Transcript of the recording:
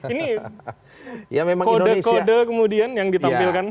ini kode kode kemudian yang ditampilkan